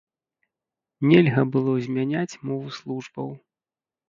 Нельга было змяняць мову службаў.